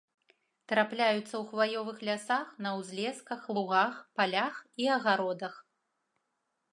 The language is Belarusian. Трапляюцца ў хваёвых лясах, на ўзлесках, лугах, палях і агародах.